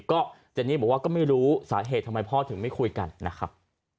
ก็เจนี่บอกว่าก็ไม่รู้สาเหตุทำไมพ่อถึงไม่คุยกันนะครับ